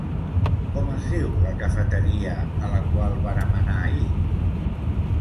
Com es diu la cafeteria a la qual vàrem anar ahir?